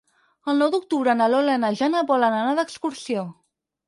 El nou d'octubre na Lola i na Jana volen anar d'excursió.